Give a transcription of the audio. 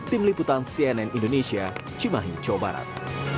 tim liputan cnn indonesia cimahi jawa barat